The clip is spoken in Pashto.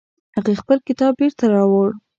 هغې خپل کتاب بیرته راوړ